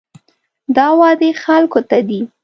دا وعدې خلکو ته دي.